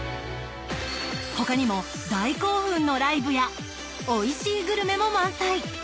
他にも大興奮のライブやおいしいグルメも満載！